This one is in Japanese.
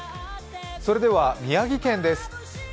それでは宮城県です。